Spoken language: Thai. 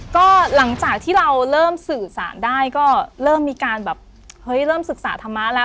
ก็หลังจากที่เราเริ่มสื่อสารได้ก็เริ่มมีการแบบเฮ้ยเริ่มศึกษาธรรมะแล้ว